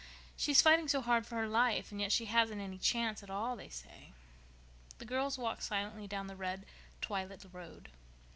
She's fighting so hard for her life, and yet she hasn't any chance at all, they say." The girls walked silently down the red, twilit road.